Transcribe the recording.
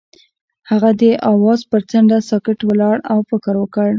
هغه د اواز پر څنډه ساکت ولاړ او فکر وکړ.